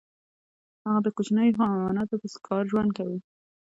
هغه د کوچنیو حیواناتو په ښکار ژوند کاوه.